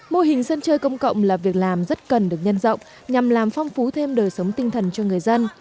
mô hình sân chơi công cộng là việc làm rất cần được nhân rộng nhằm làm phong phú thêm đời sống tinh thần cho người dân